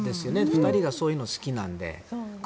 ２人がそういうの好きなので。